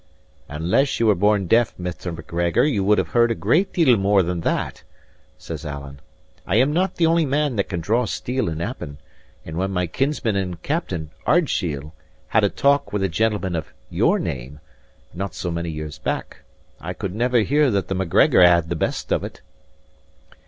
"Unless ye were born deaf, Mr. Macgregor, ye will have heard a good deal more than that," says Alan. "I am not the only man that can draw steel in Appin; and when my kinsman and captain, Ardshiel, had a talk with a gentleman of your name, not so many years back, I could never hear that the Macgregor had the best of it."